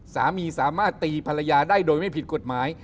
สามีสามารถตีภรรยาได้โดยไม่ผิดกฎหมาย